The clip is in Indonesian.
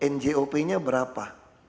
njop nya berapa